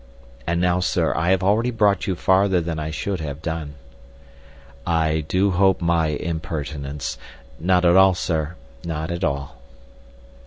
And now, sir, I have already brought you farther than I should have done." "I do hope my impertinence—" "Not at all, sir, not at all."